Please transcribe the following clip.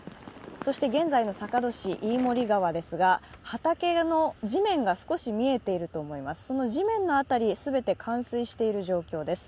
そして現在の坂戸市のイイモリ川ですが畑の地面が少し見えていると思いますが、その地面の辺り全て冠水している状況です。